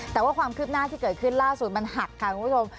แต่ว่าความคืบหน้าที่เกิดขึ้นล่าสุดมันหักค่ะคุณผู้ชม